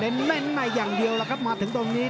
เด้นแม่นมาอย่างเดียวแล้วครับมาถึงตรงนี้